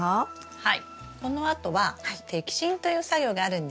はい。